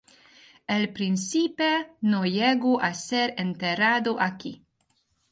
El príncipe no llegó a ser enterrado aquí.